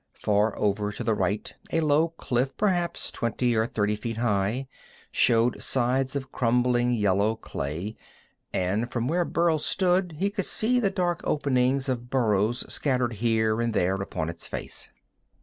Far over to the right a low cliff, perhaps twenty or thirty feet high, showed sides of crumbling, yellow clay, and from where Burl stood he could see the dark openings of burrows scattered here and there upon its face.